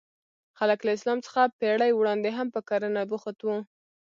خلک له اسلام څخه پېړۍ وړاندې هم په کرنه بوخت وو.